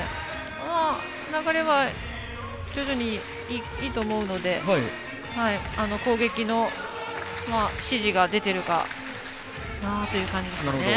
流れはいいと思うので、攻撃の指示が出ているかなという感じですね。